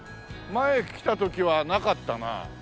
前来た時はなかったな。